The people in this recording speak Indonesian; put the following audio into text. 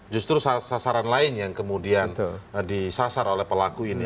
justru sasaran lain yang kemudian disasar oleh pelaku ini